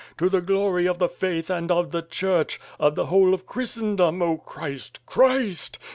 To the glory of the faith and of the Church, of the whole of Christendom, 0 Christ! Christ!"